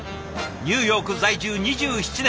ニューヨーク在住２７年。